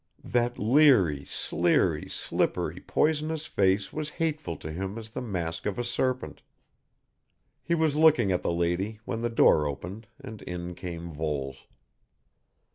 That leery, sleery, slippery, poisonous face was hateful to him as the mask of a serpent. He was looking at the lady when the door opened and in came Voles.